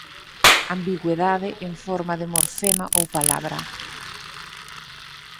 Ambigüidade en forma de morfema ou palabra.